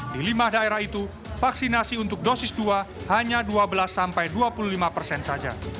di lima daerah itu vaksinasi untuk dosis dua hanya dua belas sampai dua puluh lima persen saja